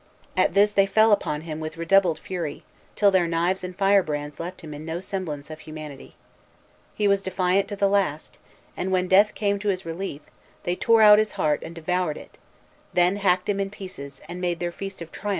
At this they fell upon him with redoubled fury, till their knives and firebrands left in him no semblance of humanity. He was defiant to the last, and when death came to his relief, they tore out his heart and devoured it; then hacked him in pieces, and made their feast of triumph on his mangled limbs.